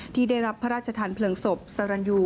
ที่ได้รับพระราชทานเพลิงศพสรรยู